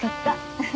フフ。